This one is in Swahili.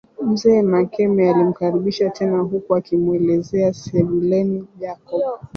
Mzee Makame alimkaribisha tena huku akimuelekezea sebuleni Jacob